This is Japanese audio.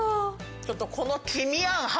ちょっとこの。